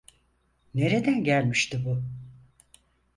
Nereden gelmişti bu?